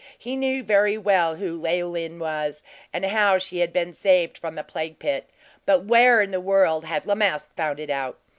He knew very well who Leoline was, and how she had been saved from the plague pit; but where in the world had La Masque found it out.